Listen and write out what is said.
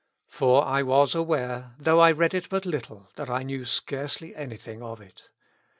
For I was aware, though I read it but little, that I knew scarcely anything of it.